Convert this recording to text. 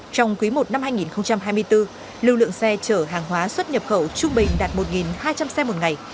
trong quý i năm hai nghìn hai mươi bốn lưu lượng xe chở hàng hóa xuất nhập khẩu trung bình đạt một hai trăm linh xe một ngày